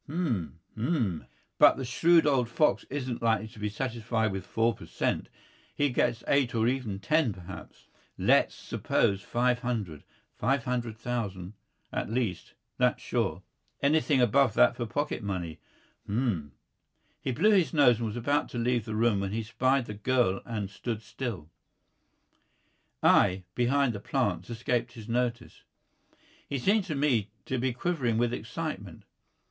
Hm hm! But the shrewd old fox isn't likely to be satisfied with four per cent. He gets eight or even ten, perhaps. Let's suppose five hundred, five hundred thousand, at least, that's sure. Anything above that for pocket money hm " He blew his nose and was about to leave the room when he spied the girl and stood still. I, behind the plants, escaped his notice. He seemed to me to be quivering with excitement.